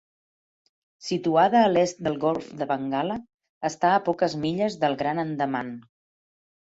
Situada a l'est del golf de Bengala, està a poques milles del Gran Andaman.